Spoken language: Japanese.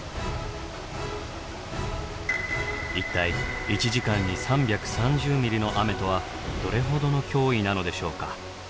一体１時間に３３０ｍｍの雨とはどれほどの脅威なのでしょうか？